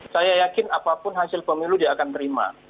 saya yakin apapun hasil pemilu dia akan terima